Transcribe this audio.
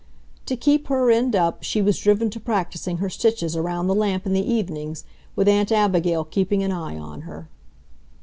To keep her end up, she was driven to practising her stitches around the lamp in the evenings, with Aunt Abigail keeping an eye on her.